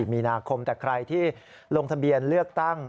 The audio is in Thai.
มีนาคมแต่ใครที่ลงทะเบียนเลือกตั้ง